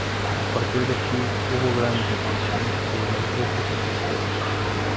A partir de aquí hubo gran represión sobre los grupos opositores.